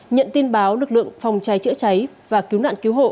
nhận tin báo lực lượng phòng cháy chữa cháy và cứu nạn cứu hộ